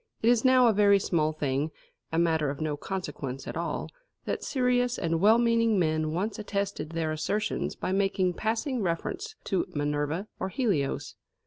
It is now a very small thing a matter of no consequence at all that serious and well meaning men once attested their assertions by making passing reference to Minerva or Helios.